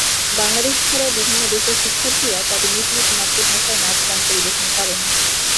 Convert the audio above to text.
বাংলাদেশ ছাড়াও বিভিন্ন দেশের শিক্ষার্থীরা তাঁদের নিজ নিজ মাতৃভাষায় নাচ-গান পরিবেশন করেন।